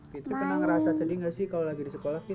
fitri pernah ngerasa sedih gak sih kalau lagi di sekolah fitri